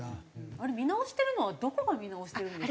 あれ見直してるのはどこが見直してるんですか？